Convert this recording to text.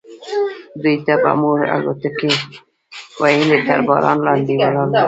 دوی ته به موږ الوتکې ویلې، تر باران لاندې ولاړ و.